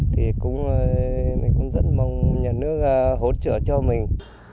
thì mình cũng rất mong nhà nước hỗ trợ cho mình